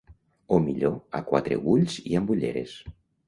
O millor, a quatre ulls i amb ulleres.